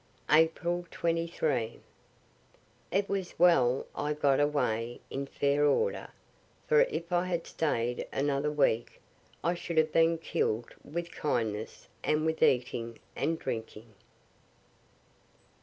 April 23. It was well I got away in fair order, for if I had staid another week I should have been killed with kindness, and with eating and drinking.